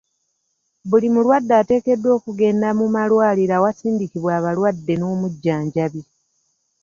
Buli mulwadde ateekeddwa okugenda mu malwaliro awasindikibwa abalwadde n'omujjanjabi.